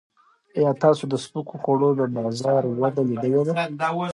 ایا تاسو د سپکو خوړو د بازار وده لیدلې ده؟